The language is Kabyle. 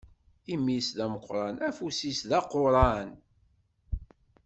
Imi-s d ameqran, afus-is d aquran.